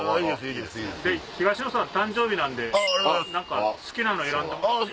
東野さん誕生日なんで好きなの選んでもらって。